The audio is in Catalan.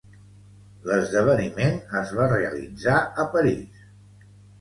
L'esdeveniment es va realitzar a París.